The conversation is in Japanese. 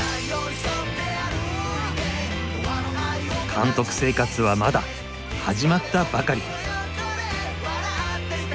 監督生活はまだ始まったばかり。